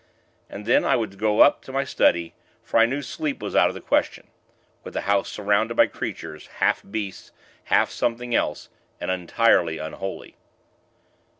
And then, I would go up to my study, for I knew sleep was out of the question, with the house surrounded by creatures, half beasts, half something else, and entirely unholy.